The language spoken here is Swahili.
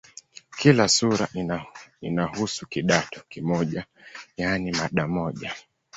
Kila sura inahusu "kidato" kimoja, yaani mada moja.